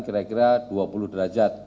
kira kira dua puluh derajat